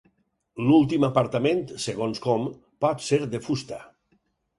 L'últim apartament, segons com, pot ser de fusta.